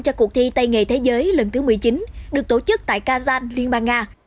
cho cuộc thi tây nghề thế giới lần thứ một mươi chín được tổ chức tại kazan liên bang nga